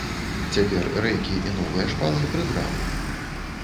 Цяпер рэйкі і новыя шпалы прыбралі.